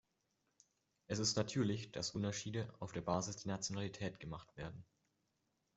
Es ist natürlich, dass Unterschiede auf der Basis der Nationalität gemacht werden.